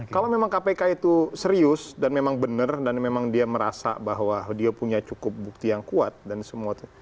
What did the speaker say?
kalau memang kpk itu serius dan memang benar dan memang dia merasa bahwa dia punya cukup bukti yang kuat dan semuanya